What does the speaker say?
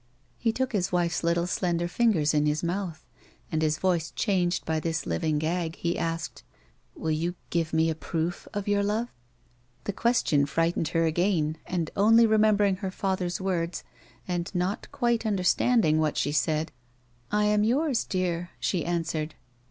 He took his wife's little slender fingers iu his mouth, and, his voice changed by this living gag, he asked :" Will you give me a proof of your love 1 " The question frightened her again, and, only remember ing her father's words, and not quite understanding what she said, " I am yours, dear," she answered.